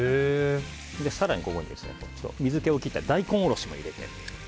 更に、ここに水気を切った大根おろしも入れて。